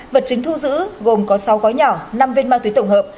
vật chứng thu giữ gồm có sáu gói nhỏ năm viên ma túy tổng hợp